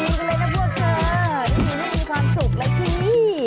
ทีนี้ไม่มีความสุขไหมพี่